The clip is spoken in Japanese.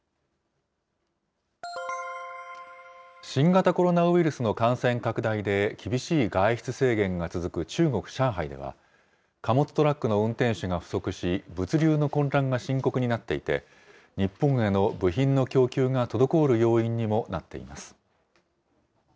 新型コロナウイルスの感染拡大で厳しい外出制限が続く中国・上海では、貨物トラックの運転手が不足し、物流の混乱が深刻になっていて、日本への部品の供給が滞る要因にもなっています。